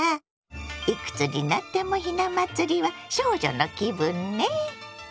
いくつになってもひな祭りは少女の気分ね。